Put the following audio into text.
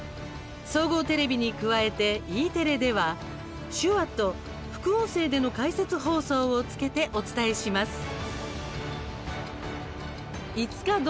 総合テレビに加えてＥテレでは手話と副音声での解説放送をつけてお伝えします。